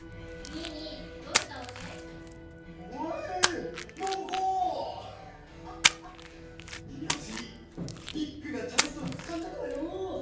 ニーニーはついにビッグなチャンスをつかんだからよ！